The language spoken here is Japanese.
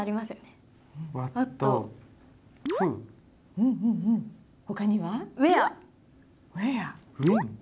うんうんうんほかには？